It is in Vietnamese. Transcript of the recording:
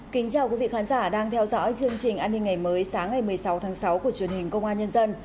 kính chào quý vị khán giả đang theo dõi chương trình an ninh ngày mới sáng ngày một mươi sáu tháng sáu của truyền hình công an nhân dân